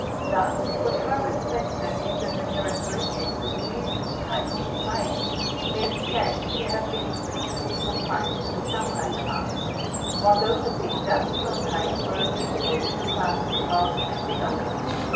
Thus what Herbert Spencer gives as the characteristics of a militant type of society may be said to have been exclusively confined to the samurai class, while those of the industrial type were applicable to the classes above and below it.